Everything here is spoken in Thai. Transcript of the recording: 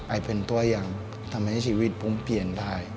เป็นตัวอย่างทำให้ชีวิตผมเปลี่ยนได้